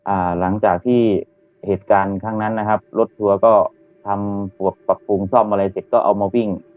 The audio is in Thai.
อ่าหลังจากที่เหตุการณ์ครั้งนั้นนะครับรถทัวร์ก็ทำปวกปรับปรุงซ่อมอะไรเสร็จก็เอามาวิ่ง